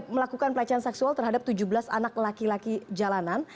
melakukan pelecehan seksual terhadap tujuh belas anak laki laki jalanan